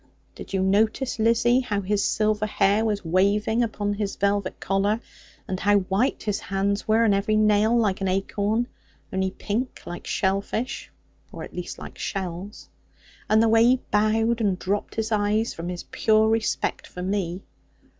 Did you notice, Lizzie, how his silver hair was waving upon his velvet collar, and how white his hands were, and every nail like an acorn; only pink like shell fish, or at least like shells? And the way he bowed, and dropped his eyes, from his pure respect for me!